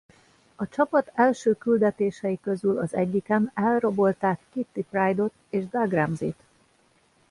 A csapat első küldetései közül az egyiken elrabolták Kitty Pryde-ot és Doug Ramsey-t.